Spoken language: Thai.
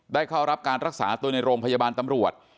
เข้ารับการรักษาตัวในโรงพยาบาลตำรวจ